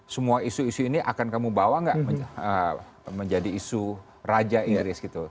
semua isu isu ini akan kamu bawa nggak menjadi isu raja inggris gitu